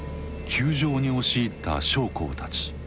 宮城に押し入った将校たち。